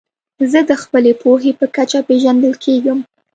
زه د خپلي پوهي په کچه پېژندل کېږم.